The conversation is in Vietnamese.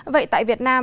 vậy tại việt nam